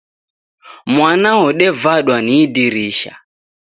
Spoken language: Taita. Mwana wodevadwa ni idirisha